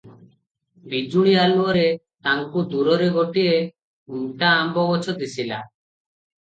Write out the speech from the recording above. ବିଜୁଳି ଆଲୁଅରେ ତାଙ୍କୁ ଦୂରରେ ଗୋଟିଏ ଥୁଣ୍ଟା ଆମ୍ବଗଛ ଦିଶିଲା ।